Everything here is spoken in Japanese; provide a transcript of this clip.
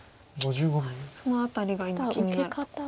その辺りが今気になると。